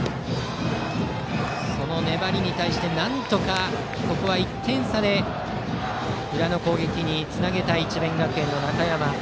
その粘りに対してなんとかここは１点差で裏の攻撃につなげたい智弁学園の中山。